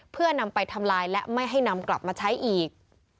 เพื่อนำไปทำลายและไม่ให้นำกลับมาใช้อีก